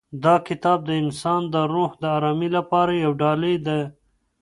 دا کتاب د انسان د روح د ارامۍ لپاره یوه ډالۍ ده.